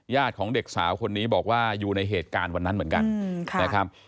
ของเด็กสาวคนนี้บอกว่าอยู่ในเหตุการณ์วันนั้นเหมือนกันนะครับ